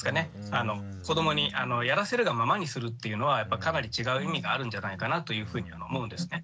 子どもにやらせるがままにするっていうのはかなり違う意味があるんじゃないかなというふうに思うんですね。